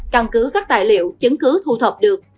căn cứ các tài liệu chứng cứ thu thập được